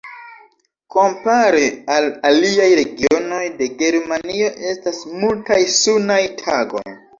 Kompare al aliaj regionoj de Germanio estas multaj sunaj tagoj.